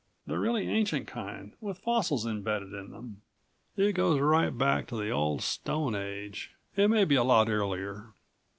"The really ancient kind with fossils embedded in them. It goes right back to the Old Stone Age, and maybe a lot earlier.